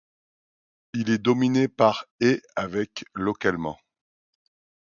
Il est dominé par ' et ' avec localement '.